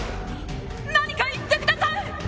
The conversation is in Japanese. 何か言ってください！